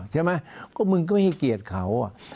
ใช่ไหมก็มึงก็ไม่ให้เกียรติเขา